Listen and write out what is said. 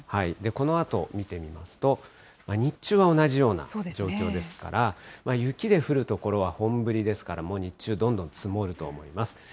このあと見てみますと、日中は同じような状況ですから、雪で降る所は本降りですから、もう日中、どんどん積もると思います。